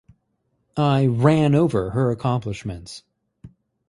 I ran over her accomplishments.